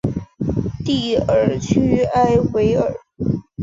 蒂尔屈埃维尔。